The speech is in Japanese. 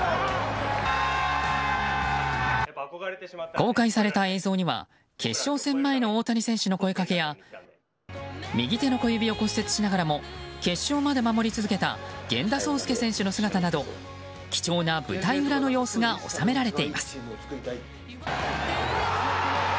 公開された映像には決勝戦前の大谷選手の声かけや右手の小指を骨折しながらも決勝まで守り続けた源田壮亮選手の姿など貴重な舞台裏の様子が収められています。